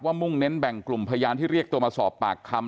มุ่งเน้นแบ่งกลุ่มพยานที่เรียกตัวมาสอบปากคำ